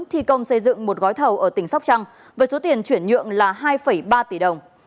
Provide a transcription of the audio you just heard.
thi công xây dựng một gói thầu ở tỉnh sóc trăng với số tiền chuyển nhượng là hai ba tỷ đồng